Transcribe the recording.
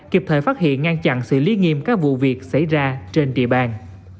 kịp thời phát hiện ngăn chặn xử lý nghiêm các vụ việc xảy ra trên địa bàn